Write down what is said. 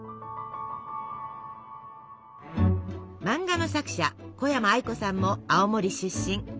漫画の作者小山愛子さんも青森出身。